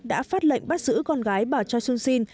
đã phát lệnh bắt giữ con gái bà choi soon sin